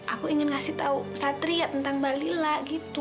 aku ingin ngasih tau satria tentang mbalila gitu